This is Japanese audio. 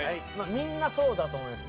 みんなそうだと思います。